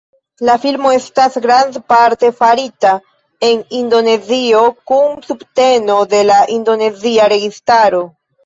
La filmo estas grandparte farita en Indonezio, kun subteno de la indonezia registaro.